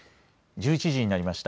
１１時になりました。